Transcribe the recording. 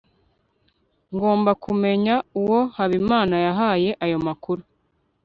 ngomba kumenya uwo habimana yahaye ayo makuru